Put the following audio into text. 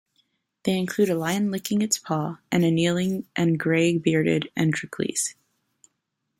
They include a lion licking its paw and a kneeling and grey-bearded Androcles.